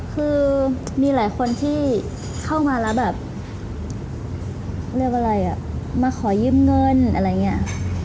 คือมีหลายคนที่เข้ามาแล้วแบบเรียกอะไรอ่ะมาขอยืมเงินอะไรอย่างนี้